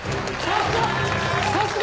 さすが！